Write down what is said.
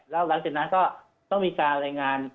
แล้วหลังจากนั้นก็ต้องมีการรายงาน